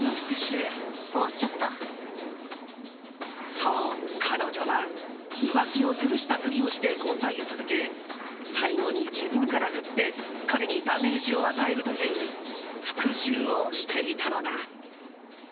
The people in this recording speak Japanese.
そう、彼女は浮気を許した振りをして交際を続け最後に自分から振って彼にダメージを与えるという復讐をしていたのだ。